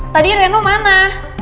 tadi renu mana